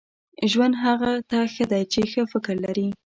• ژوند هغه ته ښه دی چې ښه فکر لري.